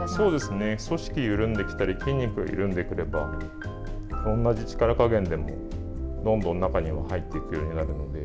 組織が緩んできたり筋肉が緩んでくれば同じ力加減でも、どんどん中に入っていくようになるので。